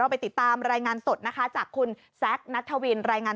ไปติดตามรายงานสดนะคะจากคุณแซคนัทวินรายงาน